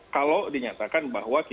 kalau dinyatakan bahwa